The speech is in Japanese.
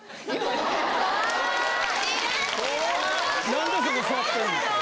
何でそこ座ってんねんと。